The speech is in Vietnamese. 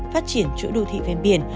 phát triển chỗ đô thị ven biển